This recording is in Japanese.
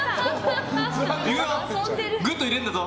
ぐっと入れるんだぞ。